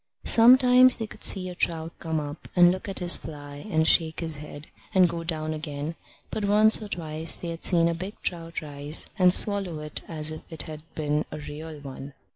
Sometimes they could see a trout come up and look at this fly and shake his head, and go down again; but once or twice they had seen a big trout rise and swallow it just as if it had been a real one.